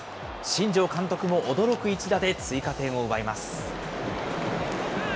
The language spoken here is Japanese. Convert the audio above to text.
新庄監督も驚く一打で追加点を奪います。